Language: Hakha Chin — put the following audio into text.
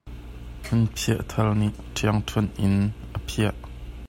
Hmunphiah thar nih thiang deuh in a phiah.